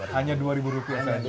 hanya dua ribu rupiah saja